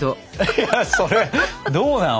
いやそれどうなの？